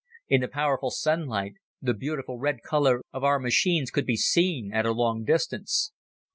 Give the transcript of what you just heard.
In the powerful sunlight, the beautiful red color of our machines could be seen at a long distance.